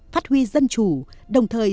phát huy dân chủ đồng thời